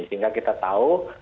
sehingga kita tahu